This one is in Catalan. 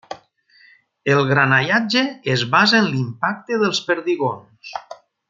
El granallatge es basa en l'impacte dels perdigons.